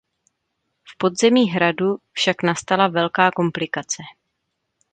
V podzemí hradu však nastala velká komplikace.